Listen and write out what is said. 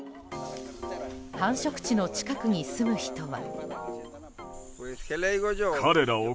繁殖地の近くに住む人は。